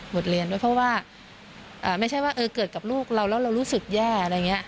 เรียนด้วยเพราะว่าไม่ใช่ว่าเกิดกับลูกเราแล้วเรารู้สึกแย่อะไรอย่างนี้